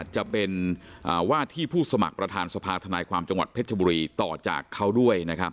จะเป็นที่ผู้สมัครสภาธนายความจังหวัดเพชรบุรีต่อจากเขาด้วย